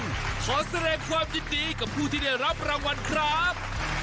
ขอแสดงความยินดีกับผู้ที่ได้รับรางวัลครับ